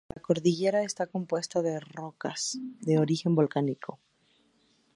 La cordillera está compuesta de rocas de origen volcánico.